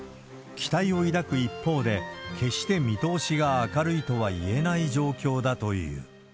期待を抱く一方で、決して見通しが明るいとはいえない状況だという。